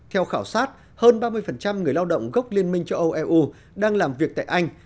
theo khảo sát hơn ba mươi người lao động gốc liên minh châu âu eu đang làm việc tại anh